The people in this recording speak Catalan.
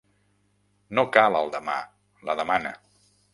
No cal el demà: la demana.